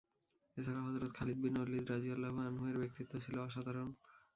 এছাড়া হযরত খালিদ বিন ওলীদ রাযিয়াল্লাহু আনহু-এর ব্যক্তিত্ব ছিল অসাধারণ।